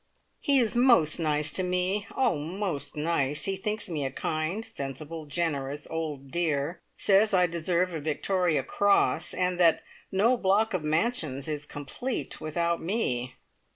He is most nice to me oh, most nice! He thinks me a kind, sensible, generous old dear; says I deserve a Victoria Cross, and that no block of mansions is complete without me.